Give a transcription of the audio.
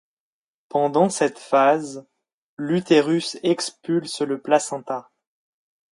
Pendant cette phase, l'utérus expulse le placenta.